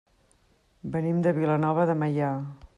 Venim de Vilanova de Meià.